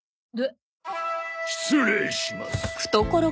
失礼します。